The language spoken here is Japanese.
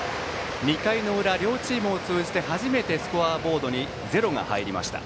２回の裏、両チーム通じて初めてスコアボードにゼロが入りました。